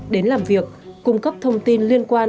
đến làm việc cung cấp thông tin liên quan